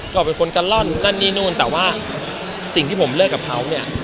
ก็เป็นคนกะล่อนนั่นนี่นู่นแต่ว่าสิ่งที่ผมเลิกกับเขาเนี่ย